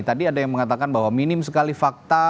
tadi ada yang mengatakan bahwa minim sekali fakta